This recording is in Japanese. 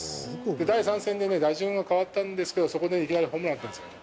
第３戦でね、打順が変わったんですけど、そこでね、いきなりホームランを打ったんですよ。